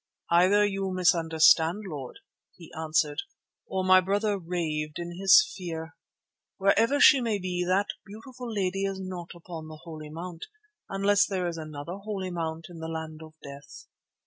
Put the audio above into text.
"Either you misunderstood, Lord," he answered, "or my brother raved in his fear. Wherever she may be, that beautiful lady is not upon the Holy Mount, unless there is another Holy Mount in the Land of Death.